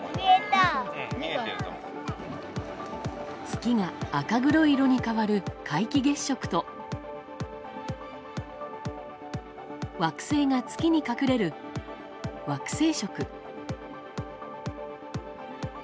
月が赤黒い色に変わる皆既月食と惑星が月に隠れる惑星食。